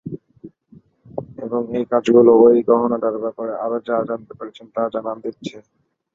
এবং এই কাগজগুলো ওই গহনাটার ব্যাপারে আরো যা জানতে পেরেছেন তা জানান দিচ্ছে।